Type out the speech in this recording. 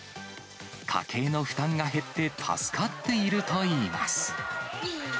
家計の負担が減って助かっているといいます。